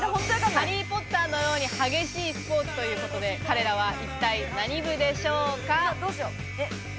『ハリー・ポッター』のように激しいスポーツということで、彼らは一体、何部でしょうか？